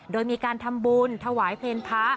โดยมีการทำบุญถวายเพลงพระ